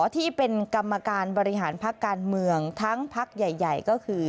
ที่เป็นกรรมการบริหารพักการเมืองทั้งพักใหญ่ก็คือ